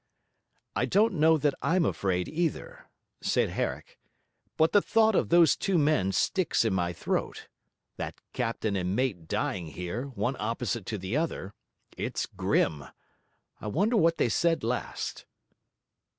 'I don't know that I'm afraid either,' said Herrick. 'But the thought of these two men sticks in my throat; that captain and mate dying here, one opposite to the other. It's grim. I wonder what they said last?'